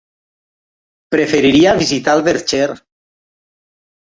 Preferiria visitar el Verger.